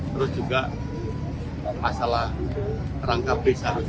terus juga masalah rangka b seharusnya